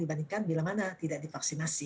dibandingkan bila mana tidak divaksinasi